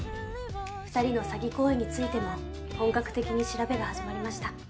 ２人の詐欺行為についても本格的に調べが始まりました。